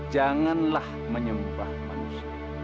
janganlah menyembah manusia